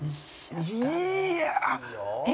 えっ？